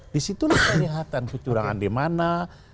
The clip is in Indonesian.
disitu kelihatan kecurangan dimana